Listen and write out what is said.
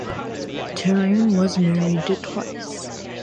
Terhune was married twice.